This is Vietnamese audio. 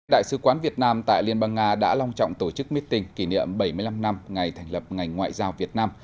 đại sứ quán việt nam tại liên bang nga đã long trọng tổ chức meeting kỷ niệm bảy mươi năm năm ngày thành lập ngành ngoại giao việt nam